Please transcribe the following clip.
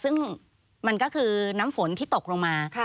ซึ่งมันก็คือน้ำฝนที่ตกลงมา